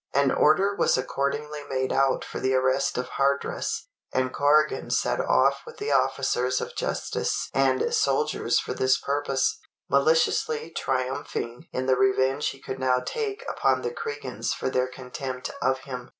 An order was accordingly made out for the arrest of Hardress; and Corrigan set off with the officers of justice and soldiers for this purpose, maliciously triumphing in the revenge he could now take upon the Cregans for their contempt of him.